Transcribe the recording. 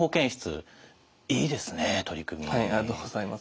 ありがとうございます。